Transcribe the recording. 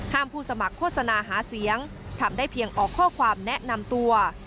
ผู้สมัครโฆษณาหาเสียงทำได้เพียงออกข้อความแนะนำตัว